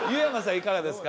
いかがですか？